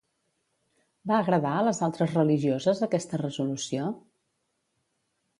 Va agradar a les altres religioses aquesta resolució?